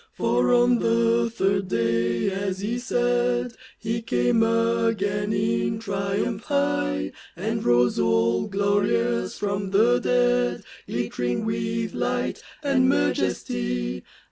i35 For on the third day, as He said, He came again in triumph high, And rose all glorious from the dead, Glittering with light and majesty.